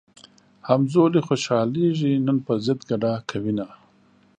همزولي خوشحالېږي نن پۀ ضد ګډا کوينه